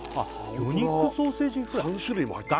魚肉ソーセージフライ本当だ